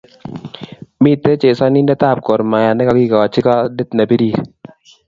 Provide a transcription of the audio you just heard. Miten chezanindet ab Gormahia ne kakikoji kadit ne piiri